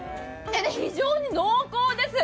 非常に濃厚です。